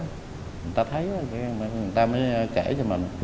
người ta thấy người ta mới kể cho mình